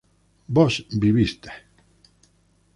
vos vivise